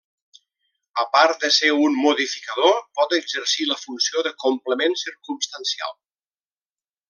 A part de ser un modificador, pot exercir la funció de complement circumstancial.